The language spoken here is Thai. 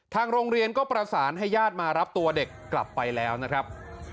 ทางโรงเรียนก็ประสานให้ญาติมารับตัวเด็กกลับไปแล้วนะครับ